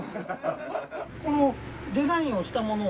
このデザインをしたものを。